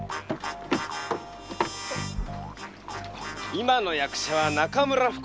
今の役者は中村福太郎だ。